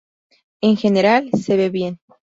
En general, se ve bien".